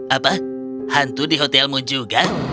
apa hantu di hotelmu juga